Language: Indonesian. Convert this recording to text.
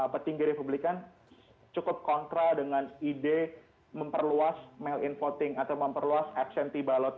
petinggi republikan cukup kontra dengan ide memperluas mail in voting atau memperluas absenty balot